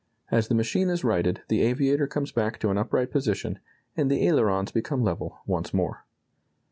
As the machine is righted the aviator comes back to an upright position, and the ailerons become level once more.